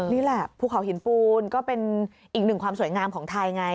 นี่แหละภูเขาหินปูนก็เป็นอีกหนึ่งความสวยงามของไทยไง